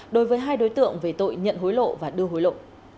đối với hai đối tượng về tội nhận hối lộ và đưa hối lộ